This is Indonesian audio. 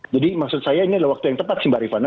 jadi maksud saya ini adalah waktu yang tepat sih mbak rivana